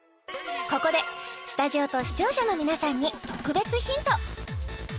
ここでスタジオと視聴者の皆さんに特別ヒント